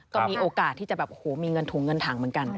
ก็มีโอกาสที่จะแบบโอ้โหมีเงินถุงเงินถังเหมือนกัน